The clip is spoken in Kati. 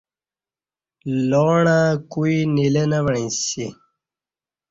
لاݨئہ کوی نیلہ نہ و عݩسی